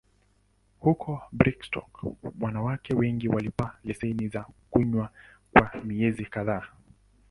Huko Brigstock, wanawake wengine walipata leseni za kunywa kwa miezi kadhaa.